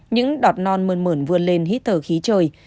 những đọt non mờn mờn vươn lên hít thở khí trời